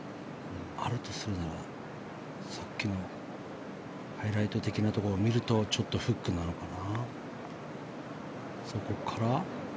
あるとするならさっきのハイライト的なところを見るとちょっとフックなのかな。